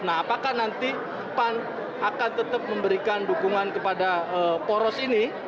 nah apakah nanti pan akan tetap memberikan dukungan kepada poros ini